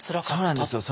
そうなんですよ。